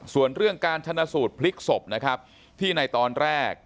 ส่วนเรื่องการชนะสูตรพลิกศพนะครับที่ในตอนแรก